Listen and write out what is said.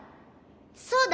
そうだ！